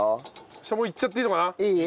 そしたらもういっちゃっていいのかな？いい？